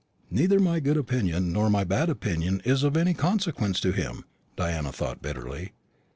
"Neither my good opinion nor my bad opinion is of any consequence to him," Diana thought bitterly.